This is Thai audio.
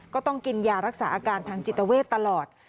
ก็ต้องกินยารักษาอาการทางจิตเวทตลอด